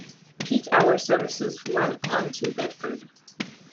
Peak-hour services run on to Bedford.